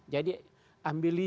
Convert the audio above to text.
jadi ambil itu